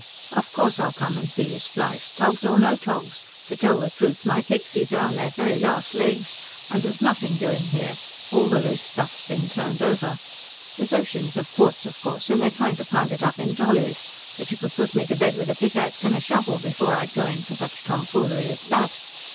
OF COURSE I'LL COME AND SEE YOU SPLICED, TOGS OR NO TOGS TO TELL THE TRUTH MY KICKSIES ARE ON THEIR VERY LAST LEGS AND THERE'S NOTHING DOING HERE ALL THE LOOSE STUFF'S BEEN TURNED OVER. THERE'S OCEANS OF QUARTZ, OF COURSE, AND THEY'RE TRYING TO POUND IT UP IN DOLLIES, BUT YOU COULD PUT ME TO BED WITH A PICK AXE AND A SHOVEL BEFORE I'D GO IN FOR SUCH TOMFOOLERY AS THAT.